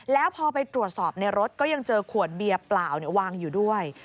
แล้วพอไปตรวจสอบในรถก็ยังเจอขวดเบียร์เปล่าวางอยู่ด้วย